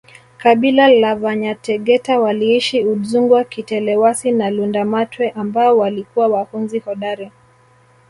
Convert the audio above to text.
kabila la Vanyategeta waliishi udzungwa kitelewasi na Lundamatwe ambao walikuwa wahunzi hodari